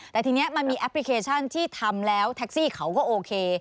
แต่ทีนี้มันมีแอปพลิเคชันที่ทำแล้วแท็กซี่เขาก็โอเค